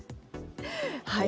はい。